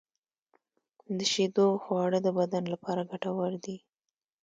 د شیدو خواږه د بدن لپاره ګټور دي.